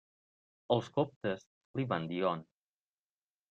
Els coptes li van dir On.